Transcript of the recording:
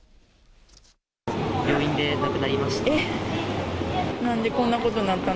病院で亡くなりました。